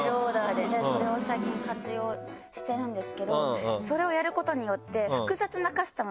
それを最近活用してるんですけどそれをやることによって。